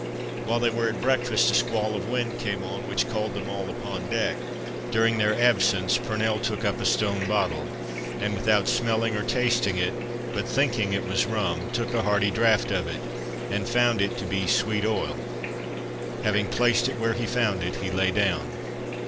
While they were at breakfast a squall of wind came on, which called them all upon deck; during their absence, Purnell took up a stone bottle, and without smelling or tasting it, but thinking it was rum, took a hearty draught of it, and found it to be sweet oil; having placed it where he found it, he lay down.